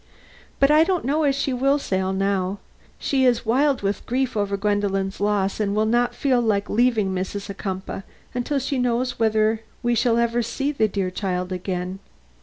But I don't know as she will sail, now. She is wild with grief over Gwendolen's loss, and will not feel like leaving Mrs. Ocumpaugh till she knows whether we shall ever see the dear child again.